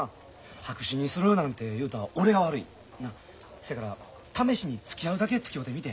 せやから試しにつきあうだけつきおうてみて。